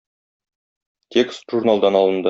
Текст журналдан алынды.